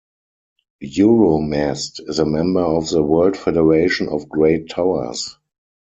Euromast is a member of the World Federation of Great Towers.